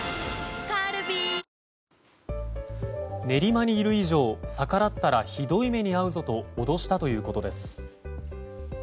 練馬にいる以上逆らったらひどい目に遭うぞと脅したということです。